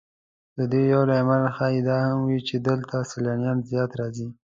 د دې یو لامل ښایي دا هم وي چې دلته سیلانیان زیات راځي.